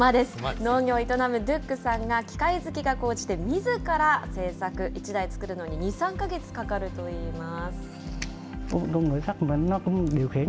農業を営むドゥックさんが、機械好きが高じて、みずから製作、１台作るのに２、３か月かかるといいます。